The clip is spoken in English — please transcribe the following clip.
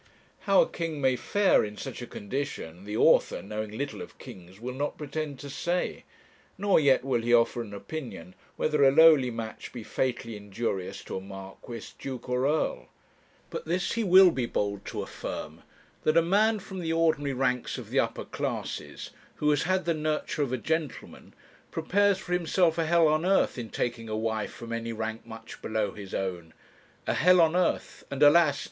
How a king may fare in such a condition, the author, knowing little of kings, will not pretend to say; nor yet will he offer an opinion whether a lowly match be fatally injurious to a marquess, duke, or earl; but this he will be bold to affirm, that a man from the ordinary ranks of the upper classes, who has had the nurture of a gentleman, prepares for himself a hell on earth in taking a wife from any rank much below his own a hell on earth, and, alas!